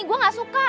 gue gak suka